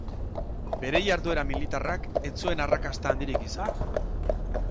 Bere jarduera militarrak ez zuen arrakasta handirik izan.